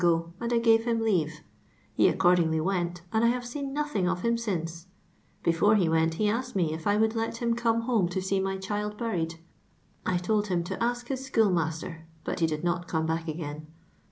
\ and I gave him leave ; he accordingly went, and I have seen nothing of him since; before he wtrct I he asked me if I would let him come honte to see . my child buried; I told him to ask his ^ohoo' ' master, but he did not come back again.